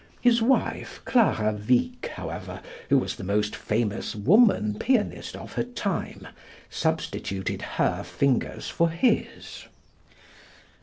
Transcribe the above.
His wife, Clara Wieck, however, who was the most famous woman pianist of her time, substituted her fingers for his.